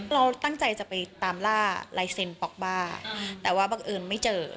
เราตั้งใจจะไปตามล่าลายเซ็นป๊อกบ้าแต่ว่าบังเอิญไม่เจอ